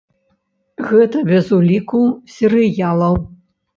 Гэта без уліку серыялаў.